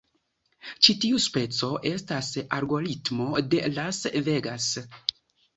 Ĉi tiu speco estas algoritmo de Las Vegas.